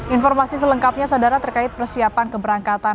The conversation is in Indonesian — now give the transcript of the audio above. informasi selengkapnya saudara terkait persiapan keberangkatan